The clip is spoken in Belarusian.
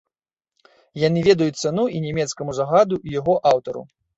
Яны ведаюць цану і нямецкаму загаду, і яго аўтару.